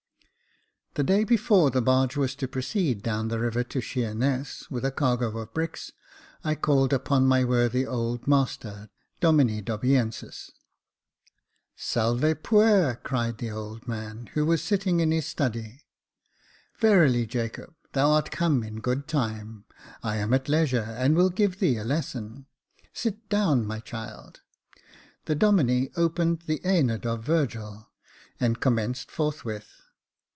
The day before the barge was to proceed down the river to Sheerness, with a cargo of bricks, I called upon my worthy old master, Domine Dobiensis. *^ Salve puer !^^ cried the old man, who was sitting in his study. " Verily, Jacob, thou art come in good time. I am at leisure, and will give thee a lesson. Sit down, my child." The Domine opened the JE^noidi of Virgil, and com menced forthwith.